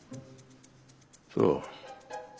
そう。